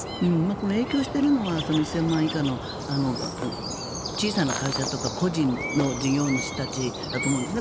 この影響しているのは１０００万円以下の小さな会社とか個人の事業主たちだと思うんですね。